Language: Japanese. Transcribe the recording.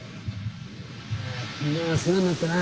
昨日は世話になったな。